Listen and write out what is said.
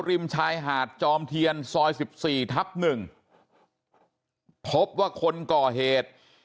ริมชายหาดจอมเทียนซอยสิบสี่ทับหนึ่งพบว่าคนก่อเหตุ